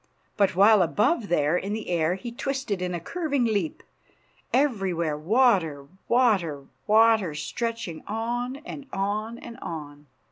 But while above there in the air he twisted in a curving leap. Everywhere water, water, water, stretching on and on and on.